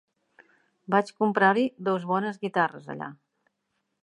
Vaig comprar-hi dos bones guitarres allà.